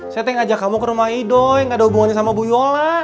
saya tadi ngajak kamu ke rumah idoi gak ada hubungannya sama bu yola